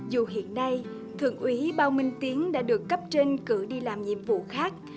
dù hiện nay thượng úy bao minh tiến đã được cấp trên cử đi làm nhiệm vụ khác